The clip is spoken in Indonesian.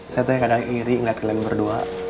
saya tuh kadang iri ngeliat kalian berdua